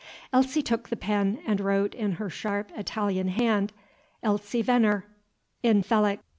Elsie took the pen and wrote, in her sharp Italian hand, Elsie Venner, Infelix.